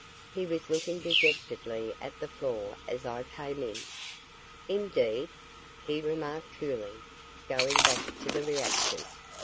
He was looking dejectedly at the floor as I came in. "Indeed?" he remarked coolly going back to the reaction.